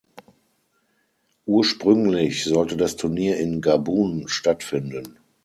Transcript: Ursprünglich sollte das Turnier in Gabun stattfinden.